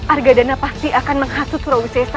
argadana pasti akan menghasut sulawesi